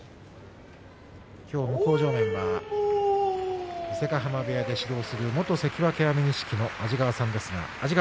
向正面は伊勢ヶ濱部屋で指導する元関脇安美錦の安治川さんです。